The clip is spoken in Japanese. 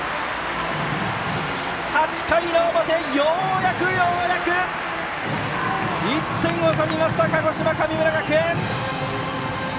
８回の表、ようやくようやく１点を取りました鹿児島の神村学園！